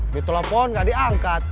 bidulapon gak diangkat